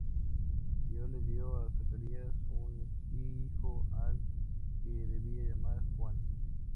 Dios le dio a Zacarías un hijo al que debía llamar Juan.